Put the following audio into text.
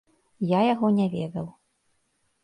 Я яго не ведаў.